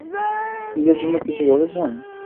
ঈদের জন্য কিছু ভেবেছেন?